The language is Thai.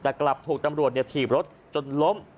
แต่กลับถูกตำรวจถีบรถจนล้ม